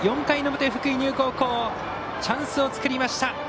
４回の表、福井、丹生高校チャンスを作りました。